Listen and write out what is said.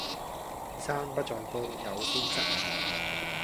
山不在高，有仙則名